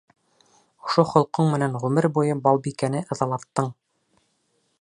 Ошо холҡоң менән ғүмер буйы Балбикәне ыҙалаттың!